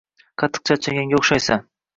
Qattiq charchaganga o`xshaysan